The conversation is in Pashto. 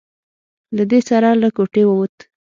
له دې سره له کوټې ووت.